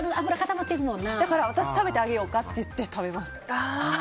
だから私食べてあげようかと言って食べます。